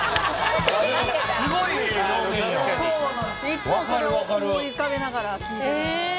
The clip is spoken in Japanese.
いつもそれを思い浮かべながら聴いてる。